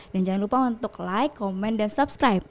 dan jangan lupa untuk like comment dan subscribe